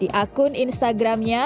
di akun instagramnya